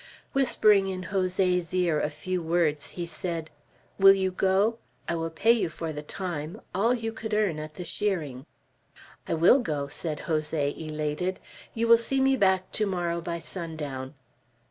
Whispering in Jose's ear a few words, he said, "Will you go? I will pay you for the time, all you could earn at the shearing." "I will go," said Jose, elated. "You will see me back tomorrow by sundown."